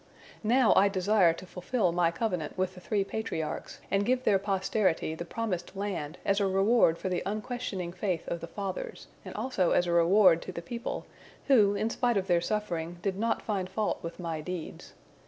Now I desire to fulfil My covenant with the three Patriarchs, and give their posterity the promised land, as a reward for the unquestioning faith of the Fathers, and also as a reward to the people, who, in spite of their suffering, did not find fault with My deeds.